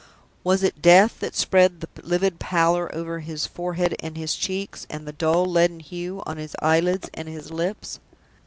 Was it death that spread the livid pallor over his forehead and his cheeks, and the dull leaden hue on his eyelids and his lips?